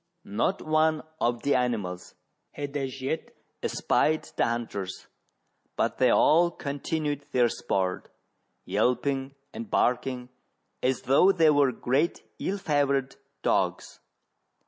Not one of the animals had as yet espied the hunters. but they all continued their sport, yelping and barking as though they were great ill favoured dogs.